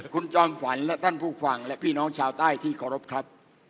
คุณจอมฝันและท่านผู้ฟังและพี่น้องชาวใต้ที่เคารพครับ